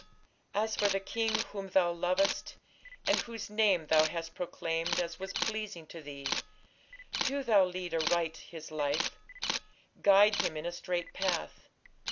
As for the king whom thou lovest, and Whose name thou hast proclaimed As was pleasing to thee, Do thou lead aright his life, Guide him in a straight path.